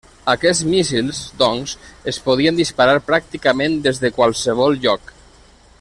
Aquests míssils, doncs, es podien disparar pràcticament des de qualsevol lloc.